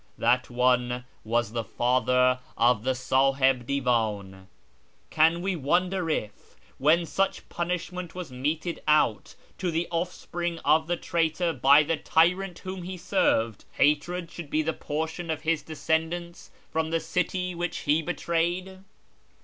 That one was the father of the Sahib Divan. Can we wonder if, when such punishment was meted out to the offspring of the traitor by the tyrant whom he served, hatred should be the portion of his descendants from the city which he betrayed